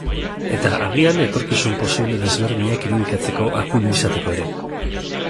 Eta, agian, etorkizun posible desberdinak irudikatzeko akuilu izateko ere.